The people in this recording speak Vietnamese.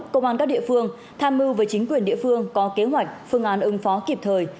công an các địa phương tham mưu với chính quyền địa phương có kế hoạch phương án ứng phó kịp thời